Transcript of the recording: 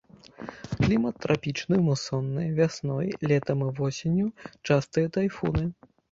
Клімат трапічны мусонны, вясной, летам і восенню частыя тайфуны.